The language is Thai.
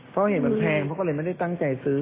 เพราะเห็นมันแพงเขาก็เลยไม่ได้ตั้งใจซื้อ